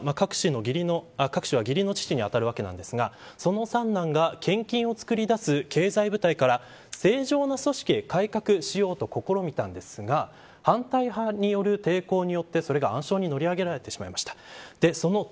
創始者の三男はカク氏はその義理の父にあたるわけですがその三男が献金を作り出す経済部隊から正常な組織へ改革しようと試みたんですが反対派による抵抗によってそれが暗礁に乗り上げられてしまいました。